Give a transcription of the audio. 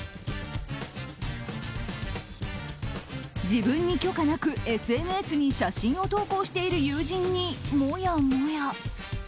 自分に許可なくＳＮＳに写真を投稿している友人にもやもや。